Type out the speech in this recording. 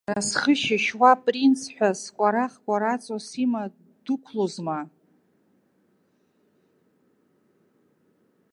Сара схы шьышьуа принц ҳәа сқәарах-қәараҵо сима дықәлозма.